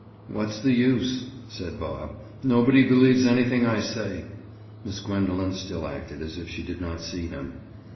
"What's the use?" said Bob. "Nobody believes anything I say." Miss Gwendoline still acted as if she did not see him.